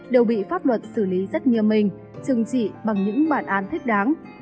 đều bị pháp luật xử lý rất như mình chừng chỉ bằng những bản án thích đáng